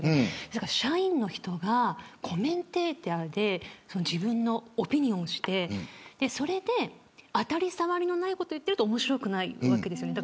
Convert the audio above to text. だから、社員の人がコメンテーターで自分のオピニオンをしてそれで当たり障りないことを言っていると面白くないわけですよね。